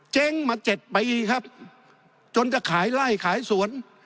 เจ๊งมา๗ปีครับจนจะขายไล่ขายสวน